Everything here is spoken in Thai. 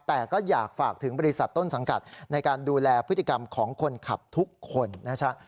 แต่ก็อยากฝากถึงบริษัทต้นสังกัดในการดูแลพฤติกรรมของคนขับทุกคนนะครับ